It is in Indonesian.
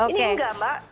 ini nggak mbak